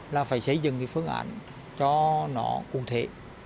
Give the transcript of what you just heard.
là phải xây dựng cái phương án cho nó cụ thể